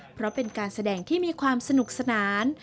เพราะเป็นการแสดงที่มีความสนุกสนาน